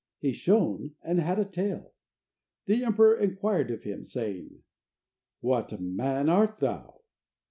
He shone and had a tail. The emperor inquired of him, saying: "What man art thou?"